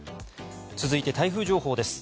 続いて台風情報です。